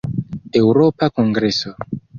Eŭropa kongreso.